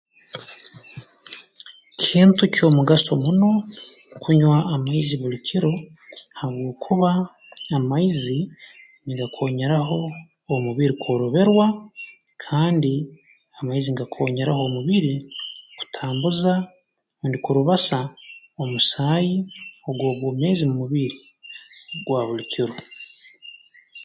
Kintu ky'omugaso muno kunywa amaizi buli kiro habwokuba amaizi ngakoonyeraho omubiri kworoberwa kandi amaizi ngakoonyeraho omubiri kutambuza rundi kurubasa omusaayi ogw'obwomeezi mu mubiri gwa buli kiro